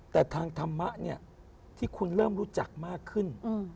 แต่ทางธรรมะเนี่ยที่คุณเริ่มรู้จักมากขึ้น